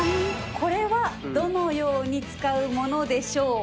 これはどのように使う物でしょうか？